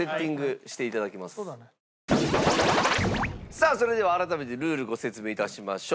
さあそれでは改めてルールご説明致しましょう。